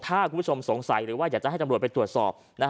ถ้าคุณผู้ชมสงสัยหรือจะให้จำนวดไปตรวจสอบ